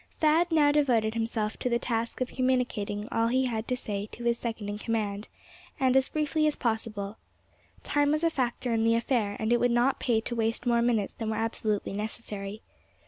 Thad now devoted himself to the task of communicating all he had to say to his second in command, and as briefly as possible. Time was a factor in the affair; and it would not pay to waste more minutes than were absolutely necessary.